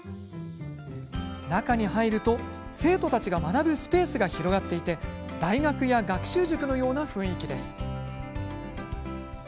中に入ると、生徒たちが学ぶスペースが広がっていて大学や学習塾のような雰囲気です。